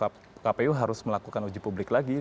kpu harus melakukan uji publik lagi